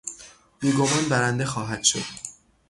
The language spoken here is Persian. بیگمان برنده خواهد شد.